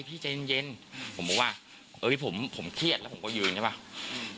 พี่ใจเย็นเย็นผมบอกว่าเอ้ยผมผมเครียดแล้วผมก็ยืนใช่ป่ะอืม